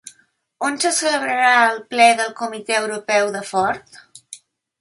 On se celebrarà el ple del comitè europeu de Ford?